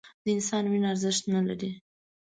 د انسان وینه ارزښت نه لري